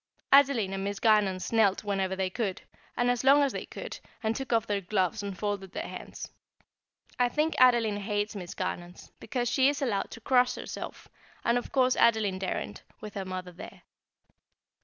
Adeline and Miss Garnons knelt whenever they could, and as long as they could, and took off their gloves and folded their hands. I think Adeline hates Miss Garnons, because she is allowed to cross herself; and of course Adeline daren't, with her mother there.